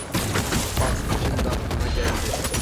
Bak, şimdi aklıma geldi.